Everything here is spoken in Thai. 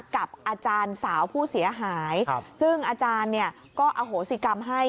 กับอาจารย์สาวผู้เสียหายซึ่งอาจารย์เนี่ยก็อโหสิกรรมให้